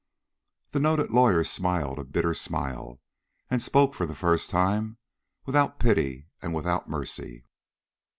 The noted lawyer smiled a bitter smile, and spoke for the first time, without pity and without mercy.